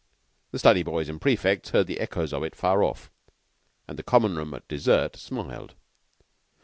The study boys and prefects heard the echoes of it far off, and the Common room at dessert smiled.